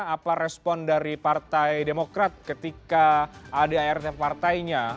apa respon dari partai demokrat ketika adart partainya